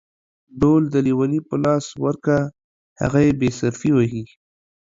ډول د ليوني په لاس ورکه ، هغه يې بې صرفي وهي.